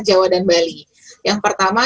jawa dan bali yang pertama